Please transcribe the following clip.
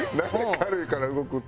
「軽いから動く」って。